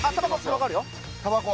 たばこ！